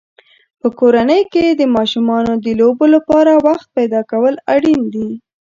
په کورنۍ کې د ماشومانو د لوبو لپاره وخت پیدا کول اړین دي.